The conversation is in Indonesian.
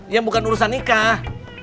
ya bukan urusan nikah